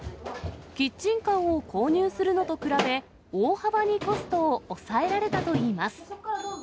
キッチンカーを購入するのと比べ、大幅にコストを抑えられたといいます。